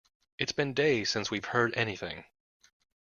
It's been days since we've heard anything.